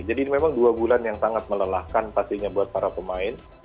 jadi ini memang dua bulan yang sangat melelahkan pastinya buat para pemain